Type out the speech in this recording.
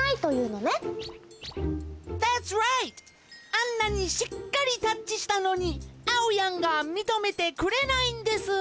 あんなにしっかりタッチしたのにあおやんがみとめてくれないんです。